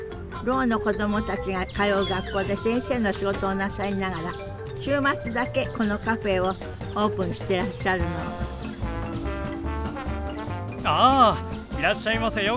ろうの子供たちが通う学校で先生の仕事をなさりながら週末だけこのカフェをオープンしてらっしゃるのあいらっしゃいませ。